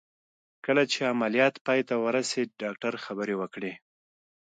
کله چې عمليات پای ته ورسېد ډاکتر خبرې وکړې.